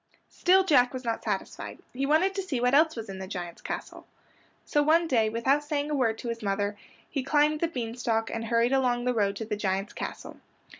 Still Jack was not satisfied. He wanted to see what else was in the giant's castle. So one day, without saying a word to his mother, he climbed the bean stalk and hurried along the road to the giant's castle.